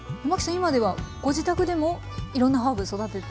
今ではご自宅でもいろんなハーブ育てて？